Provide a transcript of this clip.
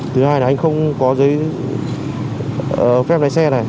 thứ hai là anh không có giấy phép lái xe này